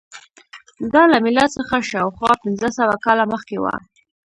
دا له میلاد څخه شاوخوا پنځه سوه کاله مخکې وه